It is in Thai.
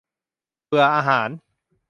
เบื่ออาหาร !